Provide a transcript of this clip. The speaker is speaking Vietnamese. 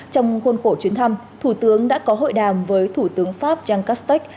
trong khuôn khổ chuyến thăm thủ tướng đã có hội đàm với thủ tướng pháp jean castex